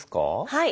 はい。